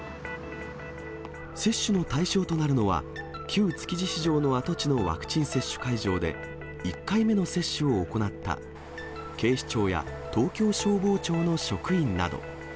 接種の対象となるのは、旧築地市場の跡地のワクチン接種会場で１回目の接種を行った、警視庁や東京消防庁の職員など。